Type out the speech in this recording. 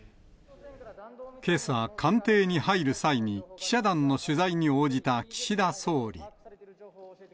けさ、官邸に入る際に、記者団の取材に応じた岸田総理。